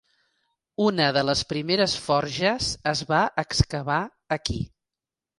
Una de les primeres forges es va excavar aquí.